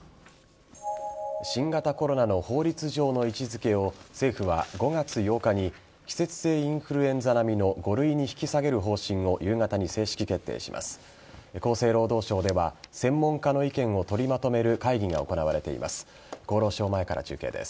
新型コロナの法律上の位置付けを政府は５月８日に季節性インフルエンザ並みの５類に引き下げる方針を夕方に正式決定します。